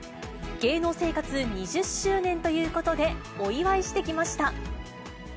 芸能生活２０周年ということで、お祝いしてきました。